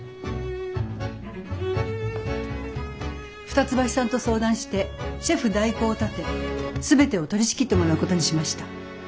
二ツ橋さんと相談してシェフ代行を立て全てを取りしきってもらうことにしました。